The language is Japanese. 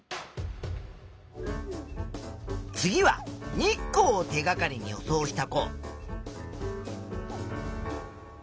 次は日光を手がかりに予想した子。